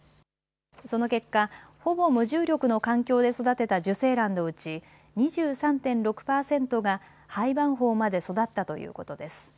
その結果、ほぼ無重力の環境で育てた受精卵のうち２３．６％が胚盤胞まで育ったということです。